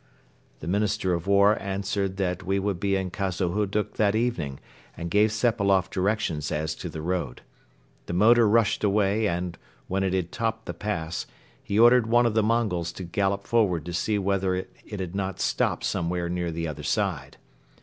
The Minister of War answered that we would be in Khazahuduk that evening and gave Sepailoff directions as to the road. The motor rushed away and, when it had topped the pass, he ordered one of the Mongols to gallop forward to see whether it had not stopped somewhere near the other side.